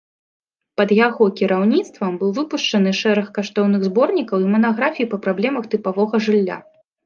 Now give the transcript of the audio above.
Пад яго кіраўніцтвам быў выпушчаны шэраг каштоўных зборнікаў і манаграфій па праблемах тыпавога жылля.